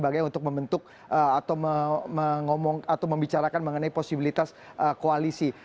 sebagai untuk membentuk atau membicarakan mengenai posibilitas koalisi